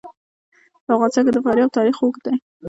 په افغانستان کې د فاریاب تاریخ اوږد دی.